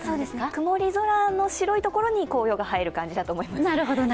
曇り空の白いところに紅葉が映える感じだと思います。